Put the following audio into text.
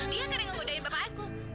dia kan yang nggodain bapak aku